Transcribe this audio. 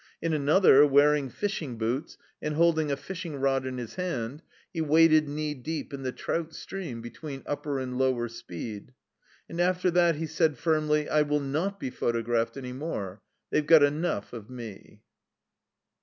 In another, wearing fishing boots, and holding a fishing rod in his hand, he waded knee deep in the trout stream between Upper and Lower Speed. And after that he said firmly, "I will not be photographed any more. They've got enough of me."